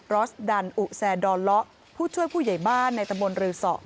อสดันอุแซดอนเลาะผู้ช่วยผู้ใหญ่บ้านในตะบนรือสอ